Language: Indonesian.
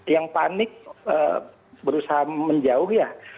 yang panik berusaha menjauh ya